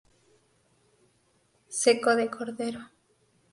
Seco de cordero.